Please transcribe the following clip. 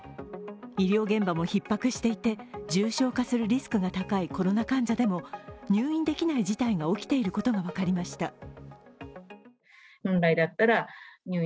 医療現場もひっ迫していて重症化するリスクが高いコロナ患者でも入院できない事態が起きていることが分かりました。